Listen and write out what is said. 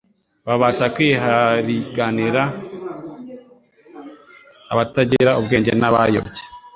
babasha kwihariganira abatagira ubwenge n'abayobye.»